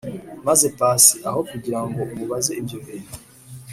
maze pasi aho kugirango amubaze ibyo bintu